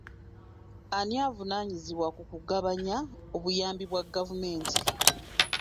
Ani avunaanyizibwa ku kugabanya obuyambi bwa gavumenti.